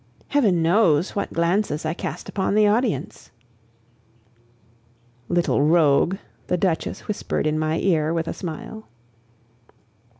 Heaven knows what glances I cast upon the audience! "Little rogue!" the Duchess whispered in my ear with a smile.